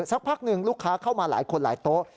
สักพักหนึ่งลูกค้าเข้ามาหลายคนหลายโต๊ะ